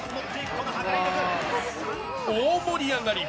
大盛り上がり。